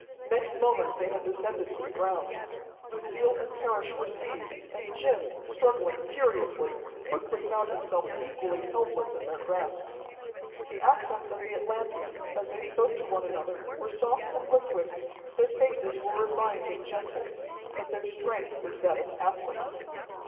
Next moment they had descended to the ground. Lucille and Parrish were seized, and Jim, struggling furiously, quickly found himself equally helpless in their grasp. The accents of the Atlanteans as they spoke to one another were soft and liquid, their faces were refined and gentle, but their strength was that of athletes.